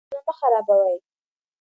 سرکونه مه خرابوئ.